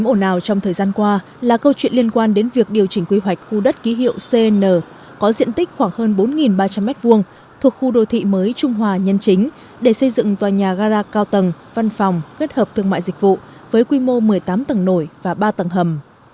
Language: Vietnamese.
mổ nào trong thời gian qua là câu chuyện liên quan đến việc điều chỉnh quy hoạch khu đất ký hiệu cn có diện tích khoảng hơn bốn ba trăm linh m hai thuộc khu đô thị mới trung hòa nhân chính để xây dựng tòa nhà gara cao tầng văn phòng kết hợp thương mại dịch vụ với quy mô một mươi tám tầng nổi và ba tầng hầm